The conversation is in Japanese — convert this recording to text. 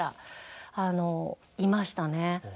いましたね。